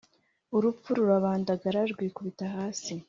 urupfu rurabandagara, rwikubita hasi,